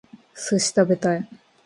寿司食べたい